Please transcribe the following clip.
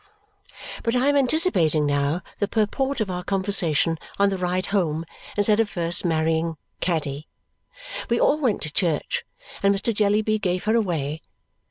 But I am anticipating now the purport of our conversation on the ride home instead of first marrying Caddy. We all went to church, and Mr. Jellyby gave her away.